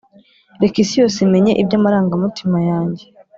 reka isi yose imenye iby’amarangamutima yanjye